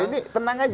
ya ini tenang aja